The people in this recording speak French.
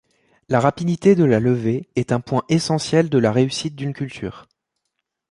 La rapidité de la levée est un point essentiel de la réussite d'une culture.